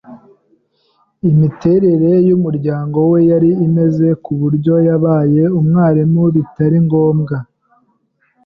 Imiterere yumuryango we yari imeze kuburyo yabaye umwarimu bitari ngombwa.